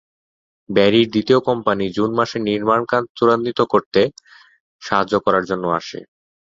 ব্যারির দ্বিতীয় company June মাসে নির্মাণ কাজ ত্বরান্বিত করতে সাহায্য করার জন্য আসে।